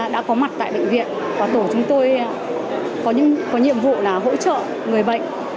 đã có mặt tại bệnh viện và tổ chúng tôi có nhiệm vụ là hỗ trợ người bệnh